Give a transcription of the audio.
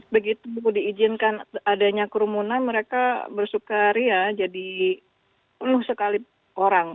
begitu diizinkan adanya kerumunan mereka bersuka ria jadi penuh sekali orang